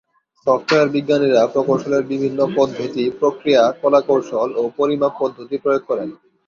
Software বিজ্ঞানীরা প্রকৌশলের বিভিন্ন পদ্ধতি, প্রক্রিয়া, কলাকৌশল ও পরিমাপ পদ্ধতি প্রয়োগ করেন।